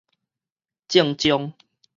證章